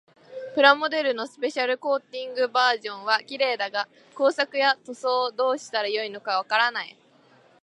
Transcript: プラモデルのスペシャルコーティングバージョンは綺麗だが、工作や塗装をどうしたらよいのかわからない。